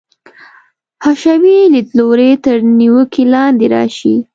حشوي لیدلوری تر نیوکې لاندې راشي.